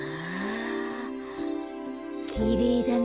きれいだね。